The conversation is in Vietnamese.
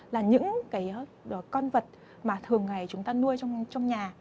là những cái con vật mà thường ngày chúng ta nuôi trong nhà